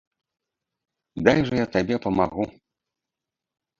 Дай жа я табе памагу.